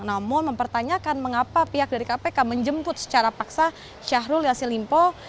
namun mempertanyakan mengapa pihak dari kpk menjemput secara paksa syahrul yassin limpo